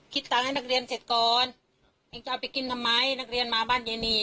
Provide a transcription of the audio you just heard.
ตังค์ให้นักเรียนเสร็จก่อนเองจะเอาไปกินทำไมนักเรียนมาบ้านยายนี